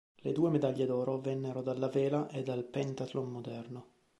La due medaglie d'oro vennero dalla vela e dal Pentathlon moderno.